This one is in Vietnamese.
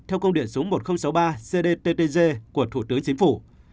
theo công điện số một nghìn sáu mươi ba cdttg của thủ tướng chính phủ